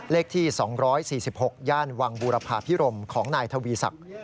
เลขที่๒๔๖ย่านวังบูรพาพิรมของนายทวีศักดิ์